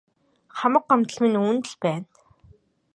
Хамаг гомдол минь үүнд л байна.